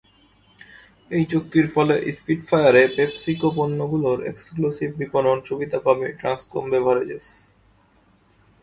এই চুক্তির ফলে স্পিটফায়ারে পেপসিকো পণ্যগুলোর এক্সক্লুসিভ বিপণন সুবিধা পাবে ট্রান্সকম বেভারেজেস।